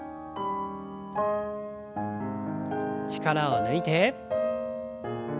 力を抜いて。